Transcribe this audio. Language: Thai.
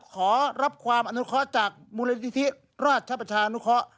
ขอรับความอนุคอตจากมูลนิธิราชประชาอนุคอต